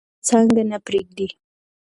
پاڼه خپله څانګه نه پرېږدي.